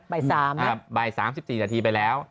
บ่าย๓นะครับบ่าย๓๔นาทีไปแล้ว